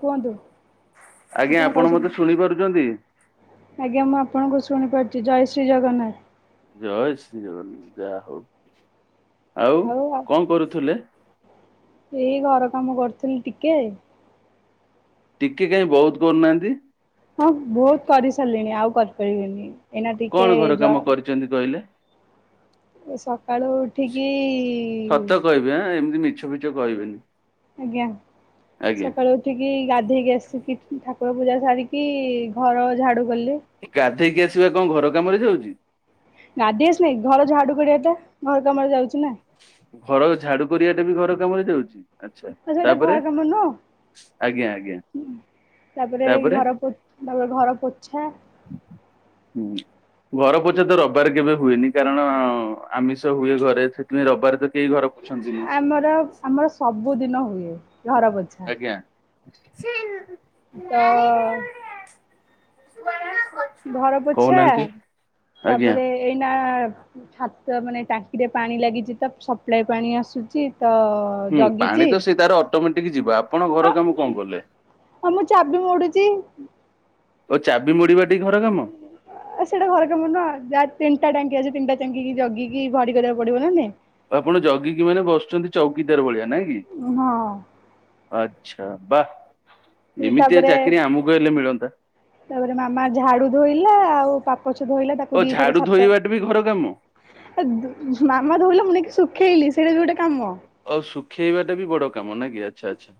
କୁହନ୍ତୁ ଆଜ୍ଞା ଆପଣ କହିସା ମତେ ଶୁଣି ପାରୁଛନ୍ତି? ଆଜ୍ଞା ମୁଁ ଆପଣଙ୍କୁ ଶୁଣିପାରୁଚି, ଜୟ ଶ୍ରୀ ଜଗନ୍ନାଥ। ଜୟ ଶ୍ରୀ ଜଗନ୍ନାଥ, ଯାହା ହୋଉ ଆଉ କଣ କରୁଥିଲେ? ଏଇ ଘର କାମ କରୁଥିଲି ଟିକେ। ଟିକେ କାଇହିଁ ବୋହୁତ କରୁନାହାନ୍ତି। ହଁ ବହୁତ କରିସାରିଲିଣି ଆଉ କରିପାରିବିନି, ଏଇନା ଟିକେ କଣ ଘର କାମ ଯ କରିଛନ୍ତି କହିଲେ? ସକାଳୁ ଉଠିକି ସତ ଆଁ [unintelligible] କହିବେ ଆଜ୍ଞା, ଆଜ୍ଞା। ସକାଳୁ ଉଠିକି ଗାଧେଇକି ଆସିିକି ଠା ଠାକୁର ପୂଜା ସାରିକି ଘର ଝାଡୁ କଲି ଗାଧେଇକି ଆସିବା କଣ ଘର କାମରେ ଯାଉଚି? ଗାଧେଇ ଆସି ନାଇଁ, ଘର ଝାଡୁ କରିବାଟା ଘର କାମରେ ଯାଉଚି ନା। ଘର ଝାଡୁ କରିବା ଟା ବି ଘର କାମରେ ଯାଉଚି? ଆଚ୍ଛା, ଆଉ ସେଇଟା ଘର ତାପରେ କାମ ନୁହଁ ଆଜ୍ଞା ଆଜ୍ଞା। ତାପରେ ଘର ପୋ ତାପରେ ଘର ପୋଛା। ହଁ। ଘର ପୋଛା ତ ରବିବାର କେବେ ହୁଏନି, କାରଣ ଆମିଷ ହୁଏ ଘରେ ସେଥିପାଇଁ ରବିବାର ତ କେହି ଘର ପୋଛନ୍ତିନି। ଆମର ଆମର ସବୁଦିନ ହୁଏ ଘର ପୋଛା। ସେ ତ [inaudible] ଘର ପୋଛା କହୁନାହାନ୍ତି ଆଜ୍ଞା। ତାପରେ ଏଇନା ହାତ ମାନେ ଟାଙ୍କିରେ ପାଣି ଲାଗିଚି ତ ସପ୍ଲାଏ ପାଣି ଆସୁଚି। ହୁଁ, ପାଣି ତ ସେଇ ତାର ଅଟୋମେଟିକ ଯିବା ଆପଣ ଆ ଘର କାମ କଣ କଲେ? ହଁ ମୁଁ ଚାବି ମୋଡୁଚି। ଓ ଚାବି ମୋଡିବା ଆ ସେଇଟା ଘର କାମ ନୁହଁ ଯାହା ତିନିଟା ଟାଙ୍କି ଅଛି ତିନିଟା ଟା ଜଗିକି ଭରି କରିବାକୁ ପଡିବ ନା ଆପଣ ଜଗିକି ମାନେ ବସୁଚନ୍ତି ଚୌକିଦାର ଭଳିଆ ନାଇଁ କି? ଆଚ୍ଛା ବା ଏମିତିଆ ତାପରେ ଚାକିରି ଆମକୁ ହେଲେ ମିଳନ୍ତା ତାପରେ ମାମା ଝାଡୁ ଧୋଇଲା ଆଉ ପଛ ଧୋଇଲା ଓ ତାକୁ ଦିଥର ଝାଡୁ ଛାତ ଧୋଇବାଟା ବି ଘର କାମ ମାମା ଧୋଇଲା ମୁଁ ନେଇକି ଶୁଖେଇଲି ସେଇଟା ବି ଗୋଟେ କାମ। ଖେଇବାଟା ବି ବଡ କାମ ନା କିି ଆଚ୍ଛା ଆଚ୍ଛା।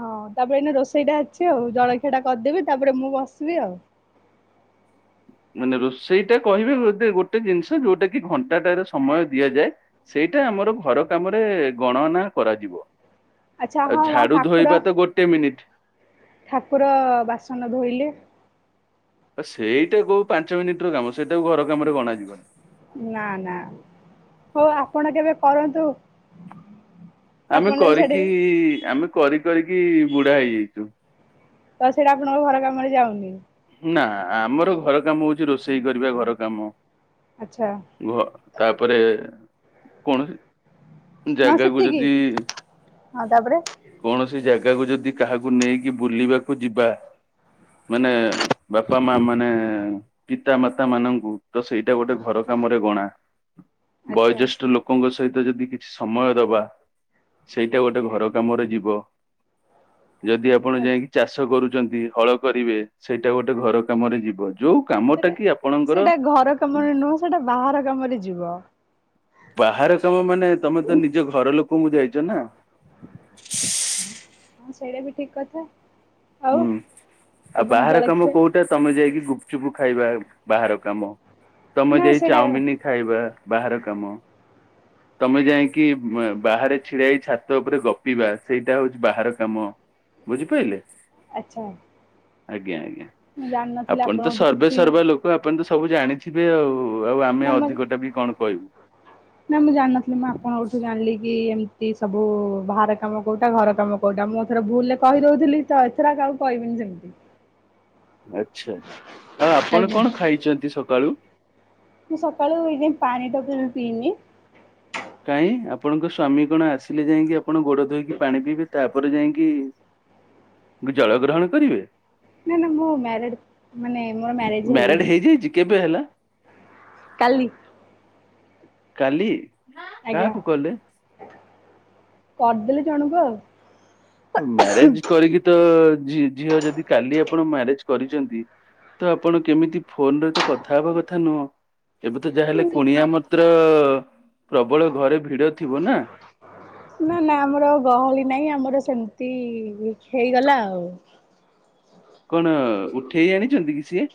ହଁ ତାପରେ ଏଇନେ ରୋଷେଇ ଟା ଅଛି ଆଉ। ଜଳଖିଆ ଟା କରିଦେବି। ତାପରେ ମୁଁ ବସିବି ଆଉ। ମାନେ ରୋଷେଇଟା କହିବେ ବୋଧେ ଗୋଟେ ଜିନିଷ ଯୋଉଟା କି ଘଣ୍ଟାଟାର ସମୟ ଦିଆଯାଏ ସେଇଟା ଆମର ଘର କାମରେ ଗଣନା କରାଯିବ। ଆଚ୍ଛା ଆଉ ହଁ ମା ଝାଡୁ ଠାକୁର ଧୋଇବା ତ ଗୋଟେ ମିନିଟ। ଠାକୁର ବାସନ ଧୋଇଲେ? ଆ ସେଇଟା କୋଉ ପାଞ୍ଚ ମିନିଟର କାମ ସେଇଟାକୁ ଘର କାମରେ ଗଣାଯିବନି। ନା ନା ହଉ ଆପଣ କେବେ କରନ୍ତୁ? ଆମେ ଆପଣ ଯଦି ସେଠି କରିକି ଆମେ କରି କରିକି ବୁଢା ହେଇଯାଇଛୁ। ତ ସେଇଟା ଆପଣଙ୍କ ଘର କାମରେ ଯାଉନି? ନା ଆମର ଘର କାମ ହଉଛି ରୋଷେଇ କରିବା ଘର କାମ। ଆଚ୍ଛା। ଘ ତାପରେ କୌଣସି ହଁ ଜାଗାକୁୁ ସେତିକି ଯଦି ହଁ ତାପରେ କୌଣସି ଜାଗା ଗାକୁ ଯଦି କାହାକୁ ନେଇକି ବୁଲିବାକୁ ଯିବା ମାନେ ବାପା ମା ମାନେ ପିତାମାତାମାନଙ୍କୁ ତ ସେଇଟା ଗୋଟେ ଘର କାମରେ ଗଣା। ଆଚ୍ଛା ବୟୋଜ୍ୟେଷ୍ଠ ଲୋକଙ୍କ ସହି ତ ଯଦି କିଛି ସମୟ ଦବା, ସେଇଟା ଗୋଟେ ଘର କାମରେ ଯିବ। ଯଦି ଆପଣ ଯାଇକି ଚାଷ କରୁଛନ୍ତି, ହଳ କରିବେ, ସେଇଟା ଗୋଟେ ଘର କାମରେ ଯିବନି। ସେଇଟା ସେଇଟା ଘର କାମରେ ନୁହଁ ସେଇଟା ବାହାର କାମରେ ଯିବ। ବାହାର କାମ ମାନେ ତମେ ତ ନିଜ ଘର ଲୋକଙ୍କୁ ଯାଇଛ ନା ହଁ ସେଇଟା ବି ଠିକ କଥା। ଆଉ ହୁଁ ଆଉ ଆପଣ ବାହାର କାମ ଜଳଖିଆ କୋଉଟା ତମେ ଯାଇକି ଗୁପ୍ ଚୁପୁ ଖାଇବା ବାହାର କାମ, ତମେ ନା ଯାଇ ସେଇଟା ଚାଉମିନ ଖାଇବା ବାହାର କାମ। ତମେ ଯାଇକି ଉଁ ବାହାରେ ଛିଡା ହେଇ ଛାତ ଉପରେ ଗପିବା ସେଇଟା ହଉଛି ବାହାର କାମ। ବୁଝିପାଇଲେ? ଆଚ୍ଛା। ଆଜ୍ଞା ଆଜ୍ଞା ମୁଁ ଜାଣିନଥିଲି ଆପଣ ତ ଆପଣଙ୍କଠୁ ସର୍ବେ କିଛି ସର୍ବା ଲୋକ ଆପଣ ତ ସବୁ ଜାଣିଥିବେ ଆଉ ଆଉ ଆମେ ନା ମୁଁ ଅଧିକଟା ବି କଣ କହିବୁ। ନା ମୁଁ ଜାଣିନଥିଲି ମୁଁ ଆପଣଙ୍କଠୁ ଜାଣିଲି କି ଏମ୍ ତି ସବୁ ବାହାର କାମ କୋଉଟା ଘର କାମ କୋଉଟା ମୁଁ ଧର ଭୁଲରେ କହିଦଉଥିଲି ତ ଏଥର ଆଉ କାହାକୁ କହିବିନି ସେମିତି। ଆଚ୍ଛା ଆଉ ଆପଣ ଆଜ୍ଞା। କଣ ଖାଇଛନ୍ତି ସକାଳୁ? ମୁଁ ସକାଳୁ ଏଯାଏଁ ପାଣି ଟୋପେ ବି ପିଇନି। କାଇଁ ଆପଣଙ୍କ ସ୍ଵାମୀ କଣ ଆସିଲେ ଯାଇକି ଆପଣ ଗୋଡ ଧୋଇକି ପାଣି ପିଇବେ ତାପରେ ଯାଇକି ଜଳ ଗ୍ରହଣ କରିବେ? ନା ନା ମୁଁ ମାରେଡ୍ ମାନେ ମୋର ମ୍ୟାରେଜ ମ୍ୟାରେଡ ହେଇନି। ହେଇଯାଇଛି କେବେ ହେଲା କାଲି କାଲି? ଆଜ୍ଞା କାହାକୁ କଲେ କରିଦେଲି ଜଣକୁ ଆଉ। ଉଁ ମ୍ୟାରେଜ୍ କରିକି ତ ଝି-ଝିଅ ଯଦି କାଲି ଆପଣ ମ୍ୟାରେଜ୍ କରିଚନ୍ତି ତ ଆପଣ କେମିତି ଫୋନରେ ତ କଥା ହବା କଥା ନୁହଁ। ଏବେ ତ ଯାହାହେଲେ କୁଣିଆ ମତ୍ର ପ୍ରବଳ ଘରେ ଭିଡ ଥିବ ନା? ନା ନା ଆମର ଗହଳି ନାହିଁ ଆମର ସେମିତି ହେ-ହେଇଗଲା ଆଉ। କଣ ଉଠେଇ ଆଣିଚନ୍ତି କି ସିଏ?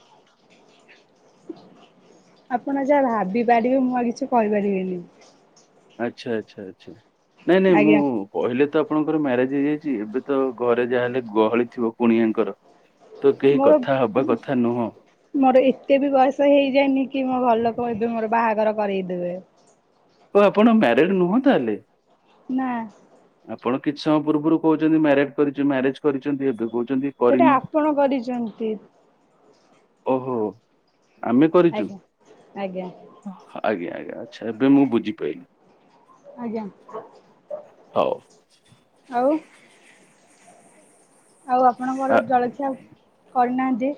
ଆପଣ ଯାହା ଭାବି ପାରିବେ ମୁଁ ଆଉ କିଛି କହିପାରିବିନି। ଆଚ୍ଛା ଆଚ୍ଛା ଆଚ୍ଛା ନାଇଁ ନାଇଁ ମୁଁ ଆଜ୍ଞା କହିଲେ ତ ଆପଣଙ୍କର ମ୍ୟାରେଜ୍ ହେଇଯାଇଚି ଏବେ ତ ଘରେ ଯାହାହେଲେ ଗହଳି ଥିବ କୁଣିଆଙ୍କର। ତ କେହି ମୋର କଥା ହବା କଥା ନୁହଁ। ମୋର ଏତେ ବି ବୟସ ହେଇ ଯାଇନି କି ମୋ ଘର ଲୋକେ ଏବେ ମୋର ବାହାଘର। କରେଇ ଦେବେ। ଓ ଆପଣ ମ୍ୟାରେଡ୍ ନୁହଁ ତା ହେଲେ। ନା। ଆପଣ କିଛି ସମୟ ପୂର୍ବରୁ କହୁଚନ୍ତି ମ୍ୟାରେଡ୍ କରିଚୁ ମ୍ୟାରେଜ୍ କରିଛନ୍ତି ଏବେ। କହୁଛନ୍ତି ସେଟା କରିନୁ। ଆପଣ କରିଚନ୍ତି। ଓ ହୋ ଆମେ କରିଚୁ ଆଜ୍ଞା। ଆଜ୍ଞା ଆଜ୍ଞା ଆଜ୍ଞା। ଆଚ୍ଛା ଏବେ ମୁଁ ବୁଝିପାଇଲି। ଆଜ୍ଞା ହଉ ଆଉ। ଆଉ ଆ ଆପଣଙ୍କର ଜଳଖିଆ କରି ନାହାନ୍ତି।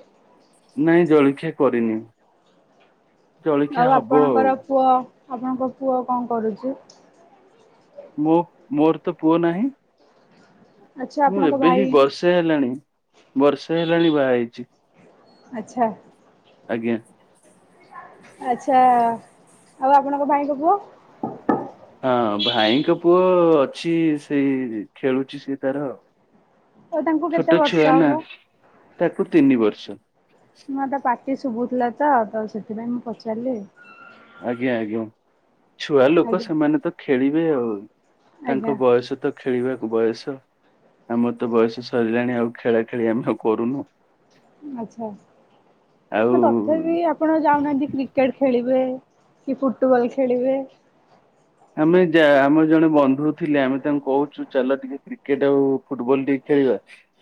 ନାଇଁ ଜଳିଖିଆ କରିନି। ଜଳଖିଆ ଆଉ ହବ ଆଉ। ଆପଣଙ୍କର ପୁଅ ଆପଣଙ୍କ ପୁଅ କଁ କରୁଚି। ମୋ ମୋର ତ ପୁଅ ନାହିଁ। ଆଚ୍ଛା ମୁଁ ଆପଣଙ୍କ ଏବେ ଭାଇ ହି ବର୍ଷେ ହେଲାଣି ବର୍ଷେ ହେଲାଣି ବାହା ହେଇଚି। ଆଚ୍ଛା। ଆଜ୍ଞା। ଆଚ୍ଛା ଆଉ ଆପଣଙ୍କ ଭାଇଙ୍କ ପୁଅ। ହଁ ଭାଇଙ୍କ ପୁଅ ଅଛି ସେଇ ଖେଳୁଛି ସେ ତାର। ଆଉ ତାଙ୍କୁ କେତେ ଛୋଟ ବର୍ଷ ଛୁଆ ନା ହବ? ତାକୁ ତିନି ବର୍ଷ। ହଁ ତା ପାଟି ଶୁବୁଥିଲା ତ ତ ସେଥିପାଇଁ ମୁଁ ପଚାରିଲି। ଆଜ୍ଞା ଆଜ୍ଞା ଛୁଆ ଲୋକ ଆଜ୍ଞା ସେମାନେ ତ ଖେଳିବେ ଆଉ। ଆଜ୍ଞା ତାଙ୍କ ବୟସ ତ ଖେଳିବା। ବୟସ ଆମର ତ ବୟସ ସରିଲାଣି ଆଉ ଖେଳା ଖେଳି ଆମେ ଆଉ କରୁନୁ। ଆଚ୍ଛା ଆଉ ନା ତଥାପି ଆପଣ ଯାଉ ନାହାନ୍ତି କ୍ରିକେଟ୍ ଖେଳିବେ। କି ଫୁଟବଲ୍ ଖେଳିବେ। ଆମେ ଯା ଆମର ଜଣେ ବନ୍ଧୁ ଥିଲେ ଆମେ ତାଙ୍କୁ କହୁଛୁ ଚାଲ ଟିକେ କ୍ରିକେଟ୍ ଆଉ ଫୁଟବଲ୍ ଟିକେ। ଖେଳିବା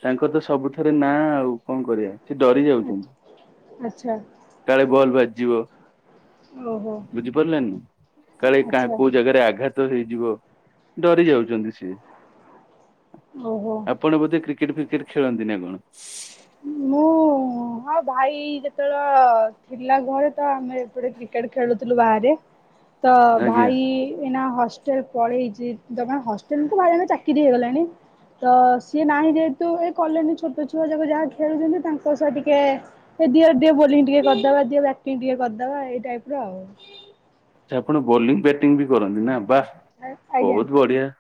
ତାଙ୍କର ତ ସବୁଥେରେ ନାଁ ଆଉ କଣ କରିବା ସେ ଡରି ଯାଉଚନ୍ତି। ଆଚ୍ଛା କାଳେ ବଲ ବାଜିଯିବ। ଓହୋ ବୁଝି ପାରିଲେନି କାଳେ କା ଆଚ୍ଛା କୋଉ ଜାଗାରେ ଆଘାତ ହେଇଯିବ। ଡରି ଯାଉଚନ୍ତି ସେ ଓହୋ ଆପଣ ବୋଧେ କ୍ରିକେଟ୍ ଫ୍ରିକେ କଁ ଖେଳନ୍ତି ନା କଣ। ମୁଁ ହଁ ଭାଇ ଯେତେବେଳ ଥିଲା ଘରେ ତ ଆମେ ଏପଟେ କ୍ରିକେଟ୍ ଖେଳୁଥୁଲୁ ବାହାରେ। ତ ଆଜ୍ଞା। ଭାଇ ଏଇନା ହ ଷ୍ଟେଲ୍ ପଳେଇଚି ତ ମାନେ ହଷ୍ଟେଲ ତ ଭାଇର ଏଇନା ଚାକିରି ହେଇଗଲାଣି।। ତ ସିଏ ନାହିଁ ଯେହେତୁ ଏ କଲୋନି ଛୋଟ ଛୁଆ ଯାକ ଯାହା। ଖେଳୁଚନ୍ତି ତାଙ୍କ ସହ ଟିକେ ସେ ଦିଅରେ ଦିଅ ବୋଲିଂ ଟିକେ କରିଦବା ଦିଅ ବ୍ୟାଟିଂ ଟିକେ କରିଦବା ଏଇ ଟାଇପ୍ ର। ଆଉ। ଆଚ୍ଛା ଆପଣ ବୋଲିଂ ବ୍ୟାଟିଂ ବି କରନ୍ତି ନା ବାଃ ଆଜ୍ଞା ବହୁତ୍ ବଢିଆ।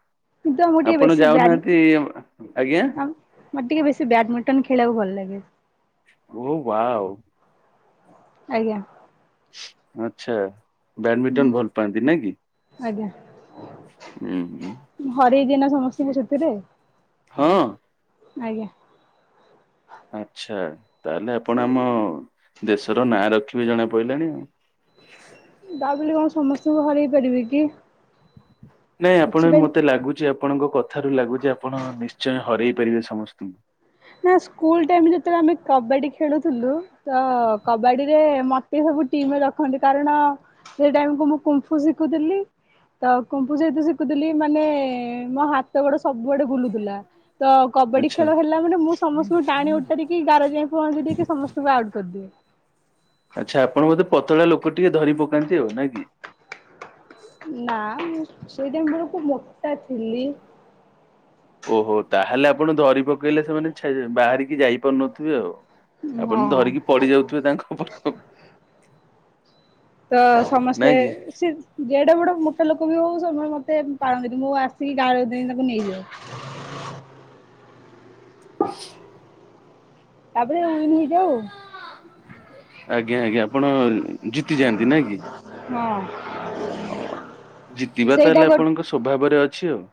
କିନ୍ତୁ ଆମକୁ ଟିକେ ଆପଣ ବେଶୀ ବ୍ୟାନ ଯାଉନାହାନ୍ତି ଆଜ୍ଞା। ଆମ୍ ମୋତେ ଟିକେ ବେଶୀ ବ୍ୟାଡମିଣ୍ଟନ୍ ଖେଳିବାକୁ ଭଲ ଲାଗେ। [unintelligible] ଓ ୱାଓ। ଆଜ୍ଞା। ଆଛା, ହୁଁ ବ୍ୟାଡମିଟନ ଭଲ ପାଆନ୍ତି ନାଇ କି? ଆଜ୍ଞା ହୁଁ ହୁଁ ହରେଇ ଦିଏ ନା ସମସ୍ତଙ୍କୁ ସେଥିରେ। ହଁ। ଆଜ୍ଞା। ଆଛା ତାହେଲେ ଆପଣ ସେ ଆମ ଦେଶର ନାଁ ରଖି ବେ ଜଣା ପଇିଲାଣି ଆଉ। ତା ବେଲି କଣ ସମସ୍ତଙ୍କୁ ହରେଇ ପାରିବି କି? ନାଇଁ ଆପଣ ବି କିଛିଟା ମତେ ଲାଗୁଛି ଆ ଆପଣଙ୍କ କଥାରୁ ଲାଗୁ ଯେ ଆପଣ ନିଶ୍ଚୟ ହରେଇ ପାରିବେ ସମସ୍ତଙ୍କୁ। ନା ସ୍କୁଲ ଟାଇମ ଯେତେବେଳେ ଆମେ କବାଡ଼ି ଖେଳୁଥିଲୁ ତ କବାଡ଼ି ରେ ମତେ ହ ବୁ ଟିମରେ ରଖନ୍ତି କାରଣ ସେ ଟାଇମ୍ କୁ ମୁଁ କୁମ୍ଫୁ ଶିଖୁଥିଲି ତ କୁମ୍ପୁ ସେଇଠୁ ଶିଖୁଥିଲି ମାନେ ମୋ ହାତ ଗୋଡ ସବୁ ଆଡ଼େ ବୁଲୁଥିଲା ତ କବାଡି ଆଚ୍ଛା ଖେଳ ହେଲା ମାନେ ମୁଁ ସମସ୍ତଙ୍କୁ ଟାଣି ଉଟାରିକି ଗାର ଯାଇ ପହଞ୍ଚି ଦେଇକି ସମସ୍ତଙ୍କୁ ଆଉଟ୍ କରିଦିିଏ। ଆଚ୍ଛା ଆପଣ ବୋଧେ ପତଳା ଲୋକ ଟିଏ ଧରି ପକାନ୍ତି ଆଉ ନା କି? ନା ମୁଁ ସେଇ ଟାଇମ ବେଳକୁ ମୋଟା ଥିଲି। ଓହୋ ତାହେଲେ ଆପଣ ଧରି ପକେଇଲେ ସେମାନେ ଛା ବାହାରିକି ଯାଇ ପାରୁନଥିବେ ଆଉ। ହଁ। ଆପଣ ଧରିକି ପଡି ଯାଉଥିବେ ତାଙ୍କ ଉପରୁ ତ ସମସ୍ତେ ସେ ଯେଡ଼େ ବଡେ ମୋଟା ଲୋକ ବି ହଉ ସେମାନେ ମତେ ପାରନ୍ତିନି ମୁଁ ଆସି ସେ ଗାର ଯାଏଁ ତାକୁ ନେଇଯାଏ। ତାପରେ ଉଇନ ହେଇଯାଏ ଆଉ। ଆଜ୍ଞା ଆଜ୍ଞା ଆପଣ ଜିତିଯାଆନ୍ତି ନାଇଁ କି? ହଁ ହଁ ଜିତିବା ସେଇଟା ତାହେଲେ ଗୋ ଆପଣଙ୍କ ସ୍ୱଭାବରେ ଅଛି ଆଉ।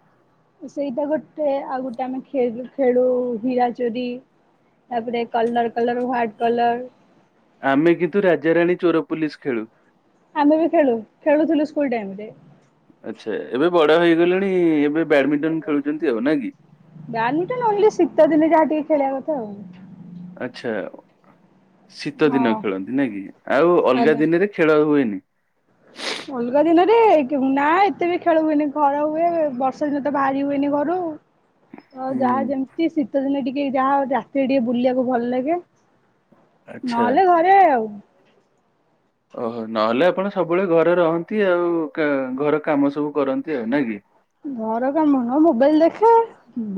ସେଇଟା ଗୋଟେ ଆଉ ଗୋଟେ ଆମେଖେଳ ଖେଳୁ ହୀରା ଚୋରି ତାପରେ କଲର କଲର ହ୍ୱାଟ କଲର ଆମେ କିନ୍ତୁ ରାଜାରାଣୀ ଚୋର ପୋଲିସ ଖେଳୁ। ଆମେ ବି ଖେଳୁ ଖେଳୁଥିଲୁ ସ୍କୁଲ ଟାଇମ ରେ। ଆଚ୍ଛା ଏବେ ବଡ଼ ହେଇଗଲଣି ଏବେ ବ୍ୟାଡମିଣ୍ଟନ ଖେଳୁଛନ୍ତି ଆଉ ନା କି? ବ୍ୟାଡ଼ମିଣ୍ଟନ ନହେଲେ ଶୀତ ଦିନେ ଯାହା ଟିକେ ଖେଳିବା କଥା ଆଉ। ଆଚ୍ଛା। ଶୀତ ଦିନ ହଁ ଖେଳନ୍ତି ନା କି ଆଉ ଅଲଗା ଆଜ୍ଞା। ଦିନରେ ଖେଳ ହୁଏନି। ଅଲଗା ଦିନରେ କେ ନା ଏତେ ବି ଖେଳ ହୁଏନି ଖରା ହୁଏ ବର୍ଷା ଦିନ ତ ବାହାରି ହୁଏନି ଘରୁ ତ ହୁଁ ଯାହା ଯେମିତି ଶୀତ ଦିନେ ଟିକେ ଯାହା ରାତିରେ ଟିକେ ବୁଲିବାକୁ ଭଲ ଲାଗେ। ଆଚ୍ଛା। ନହେଲେ ଘରେ ଆଉ। ଓହୋ ନହେଲେ ଆପଣ ସବୁବେଳେ ଘରେ ରହନ୍ତି ଆଉ କା ଘର କାମ ସବୁ କରନ୍ତି ଆଉ ନା କି? ଘର କାମ ନ ମୋବାଇଲ ଦେଖେ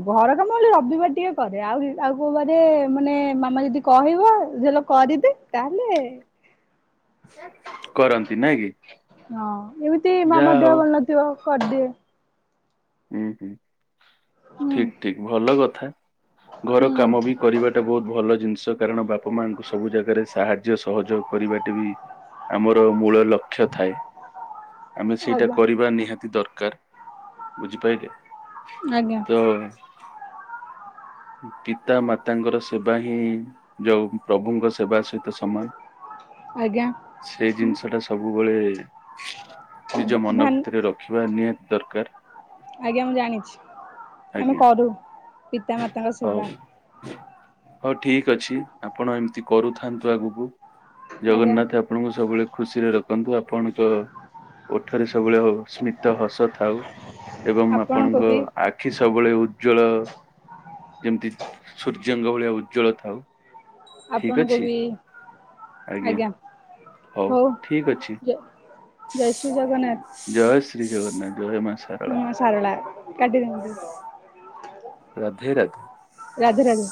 ଘର କାମ ହେଲେ ରବିବାର ଟିକେ କରେ ଆଉ କି ଆଉ କଉ ବା କରେ ମାନେ ମାମା ଯଦି କହିବ ଝିଅ ଲୋ କରିଦେ ତାହେଲେ କରନ୍ତି ନାଇଁ କି ହଁ ଏମିତି ଯାହା ମାମା ଦେହ ହଉ ଭଲ ନଥିବ କରିଦିଏ। ହୁଁ ହୁଁ ହୁଁ ଠିକ ଠିକ ଭଲ କଥା। ଘର ହୁଁ କାମ ବି କରିବାଟା ବହୁତ ଭଲ ଜିନିଷ କାରଣ ବାପା ମାଆଙ୍କୁ ସବୁ ଜାଗାରେ ସାହାଯ୍ୟ ସହଯୋଗ କରିବା ଟା ବି ଆମର ମୂଳ ଲକ୍ଷ୍ୟ ଥାଏ ଆମେ ସେଇଟା ଆଜ୍ଞା କରିବା ନିହାତି ଦରକାର ବୁଝିପାଇଲେ ଆଜ୍ଞା ତ ପିତା ମାତାଙ୍କର ସେବା ହିଁ ଯଉ ପ୍ରଭୁଙ୍କ ସେବା ସହିତ ସମାନ ଆଜ୍ଞା। ସେଇ ଜିନିଷ ଟା ସବୁବେଳେ ନିଜ ମନ ଧାନ ଭିତରେ ରଖିବା ନିହାତି ଦରକାର। ଆଜ୍ଞା ମୁଁ ଜାଣିଛି ଆମେ ଆଜ୍ଞା। କରୁ ପିତା ମାତାଙ୍କ ସେବା। ହଁ ଠିକ ଅଛି ଆପଣ ଏମିତି କରୁଥାନ୍ତୁ ଆଗକୁ ଆଜ୍ଞା ଜଗନ୍ନାଥ ଆପଣଙ୍କୁ ସବୁବେଳେ ଖୁସିରେ ରଖନ୍ତୁ ଆପଣଙ୍କ ଓଠରେ ସବୁବେଳେ ହୋଉ ସ୍ମିତ ହସ ଥାଉ ଏବଂ ଆପଣଙ୍କୁ ଆପଣଙ୍କ ବି ଆଖି ସବୁବେଳେ ଉଜ୍ୱଳ ଯେମିତି ସୂର୍ଯ୍ୟଙ୍କ ଭଳିଆ ଉଜ୍ଜଳ ଥାଉ ଠିକ ଆପଣଙ୍କୁ ଅଛି ବି ଆଜ୍ଞା ହଉ ଠିକ ଅଛି ଜୟ ଶ୍ରୀ ଜଗନ୍ନାଥ। ଜୟ ଶ୍ରୀ ଜଗନ୍ନାଥ। ଜୟ ହୁଁ ଶାରଳା ମା ସାରଳା କାଟିଦିଅନ୍ତୁ। ରାଧେ ରାଧେ। ରାଧେ ରାଧେ।